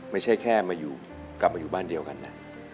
ไม่ใช่แค่กลับมาอยู่บ้านเดียวกันนะ